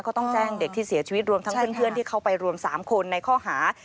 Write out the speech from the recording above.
ก็ต้องแจ้งเด็กที่เสียชีวิตรวมทั้งเพื่อนที่เข้าไปรวม๓คนในข้อหา